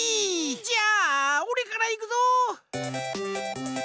じゃあおれからいくぞ！